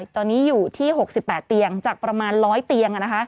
ตอนนี้อยู่ที่๖๘เตียงจากประมาณ๑๐๐เตียง